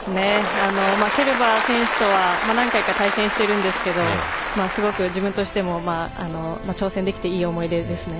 ケルバー選手とは何回か対戦しているんですけどすごく自分としても挑戦できて、いい思い出ですね。